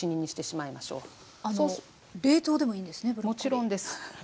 もちろんです。